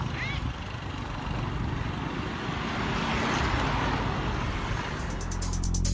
เราก็จับ